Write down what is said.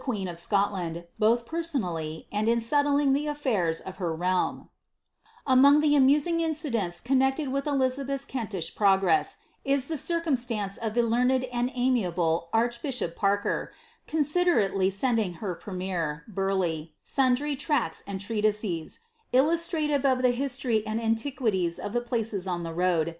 tlio queen of Scotland, both pergonally, and in selilhig the afhin of be Among the smusin^ incidents connected with Elizabeth's Kenli^l Ercigresa Is llie circunis lance of the learned and amiable archbishop Paf' er coREiderately sending her premier, Burleigh, sundry tracts and trea' itses, illuetraiiTC of the history and antiquities of the places on the road.